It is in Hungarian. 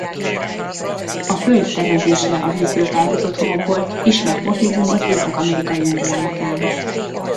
A föld teremtése a vízből felhozott homokból ismert motívum az észak-amerikai indiánoknál is.